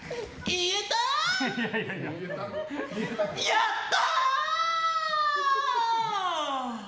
やったー！